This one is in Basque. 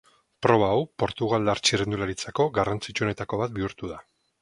Proba hau, portugaldar txirrindularitzako garrantzitsuenetako bat bihurtu da.